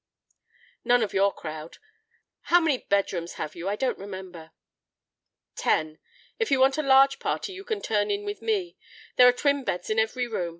"None of your crowd. How many bedrooms have you? I don't remember." "Ten. If you want a large party you can turn in with me. There are twin beds in every room.